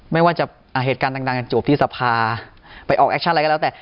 ไม่ว่าจะเหตุการณ์ดังจบที่สภาไปออกแอคชั่นอะไรก็แล้วแต่